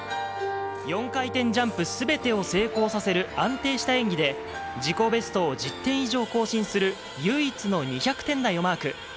４回転ジャンプすべてを成功させる安定した演技で、自己ベストを１０点以上更新する唯一の２００点台をマーク。